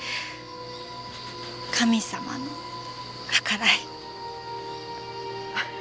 神様のはからい。